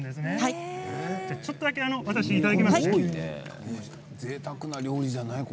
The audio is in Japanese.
ちょっとだけいただきます。